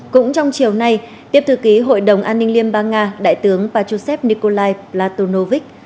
cũng trong chiều nay tiếp thư ký hội đồng an ninh liên bang nga đại tướng bà chú sép nikolai platonovic